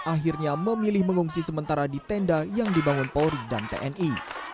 akhirnya memilih mengungsi sementara di tenda yang dibangun polri dan tni